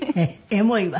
エモいは？